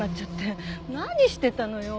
何してたのよ！